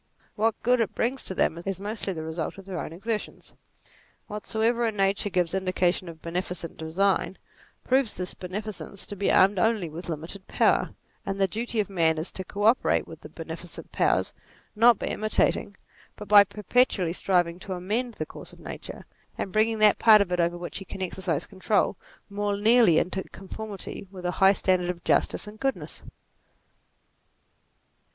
What good it brings to them, is mostly the result of their own exertions. Whatsoever, in nature, gives indica tion of beneficent design, proves this beneficence to be armed only with limited power ; and the duty of man is to co operate with the beneficent powers, not by imitating but by perpetually striving to amend the course of nature and bringing that part of it over which we can exercise control, more nearly into conformity with a high standard of justice and goodness.